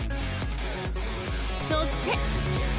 そして。